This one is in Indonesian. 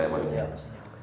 iya masih nyampe